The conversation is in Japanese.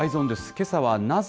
けさは、なぜ？